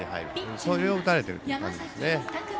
それを打たれている感じですね。